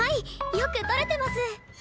よく撮れてます。